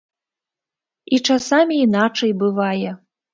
І часамі іначай бывае.